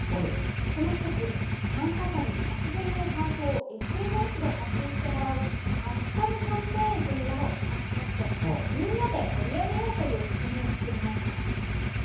その１つ、参加者にまちゼミの感想をＳＮＳで発信してもらうハッシュタグキャンペーンというものを企画しましてみんなで盛り上げようという仕組みを作りました。